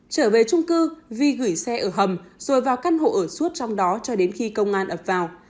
trở về trung cư vi gửi xe ở hầm rồi vào căn hộ ở suốt trong đó cho đến khi công an ập vào